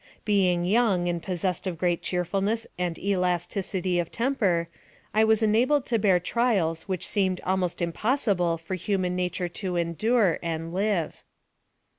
Being young, and possessed of great cheerfulness and elasticity of temper, I was enabled to bear trials which seemed almost impossible for human nature to endure and live.